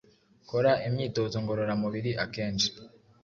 kora Imyitozo ngororamubiri akenshi